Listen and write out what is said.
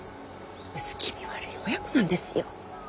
薄気味悪い親子なんですよ。